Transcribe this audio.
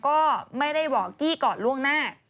ก็ไม่ได้บอกกี้ก่อนล่วงหน้า